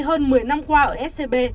hơn một mươi năm qua ở scb